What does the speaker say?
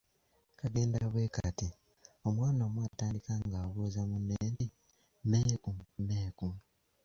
Kagenda bwe kati; omwana omu atandika ng’abuuza munne nti, Mmeeku, mmeeku?